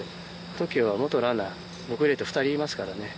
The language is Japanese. ＴＯＫＩＯは元ランナー僕入れて２人いますからね。